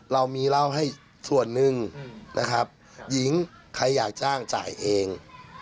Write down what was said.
เรามีเหล้าให้ส่วนหนึ่งนะครับหญิงใครอยากจ้างจ่ายเอง